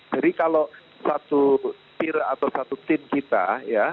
jadi kalau satu tier atau satu team kita ya